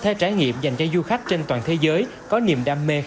thể trải nghiệm dành cho du khách trên toàn thế giới có niềm đam mê khám phá ẩm thực